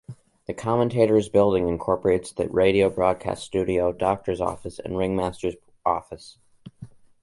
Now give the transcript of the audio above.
The Commentator's Building incorporates the Radio Broadcast Studio, Doctor's Office and Ringmaster's Office.